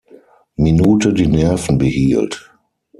Minute die Nerven behielt.